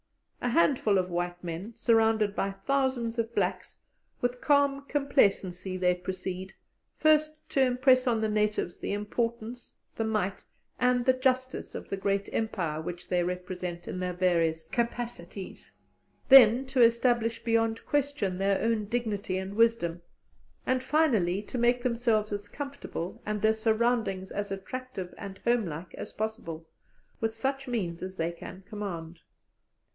A handful of white men, surrounded by thousands of blacks, with calm complacency they proceed, first to impress on the natives the importance, the might, and the justice, of the great Empire which they represent in their various capacities; then to establish beyond question their own dignity and wisdom; and finally to make themselves as comfortable, and their surroundings as attractive and homelike, as possible, with such means as they can command.